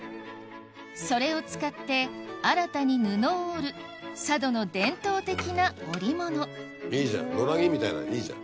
それを使って新たに布を織る佐渡の伝統的な織物いいじゃん野良着みたいないいじゃん。